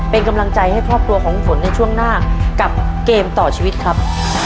เป็นกำลังใจให้ครอบครัวของคุณฝนในช่วงหน้ากับเกมต่อชีวิตครับ